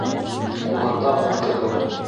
Ҡулында мылтығы.